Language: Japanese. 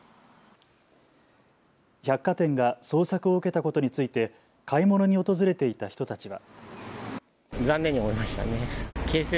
百貨店が捜索を受けたことについて買い物に訪れていた人たちは。